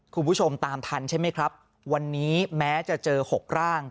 คุณผู้ชมตามทันใช่ไหมครับวันนี้แม้จะเจอหกร่าง